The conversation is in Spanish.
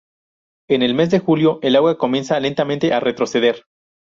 En el mes de julio, el agua comienza lentamente a retroceder.